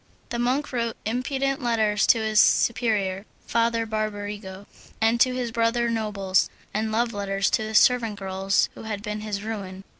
The monk wrote impudent letters to his superior, Father Barbarigo, and to his brother nobles, and love letters to the servant girls who had been his ruin.